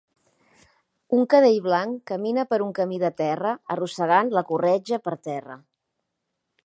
Un cadell blanc camina per un camí de terra arrossegant la corretja per terra.